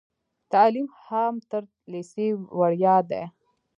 تعلیم هم تر لیسې وړیا دی.